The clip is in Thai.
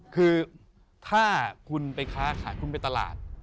คือถ้าคุณไปค้าขายคุณไปตลาด